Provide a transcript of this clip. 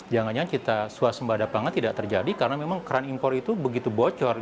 jangan jangan kita suasembada pangan tidak terjadi karena memang keran impor itu begitu bocor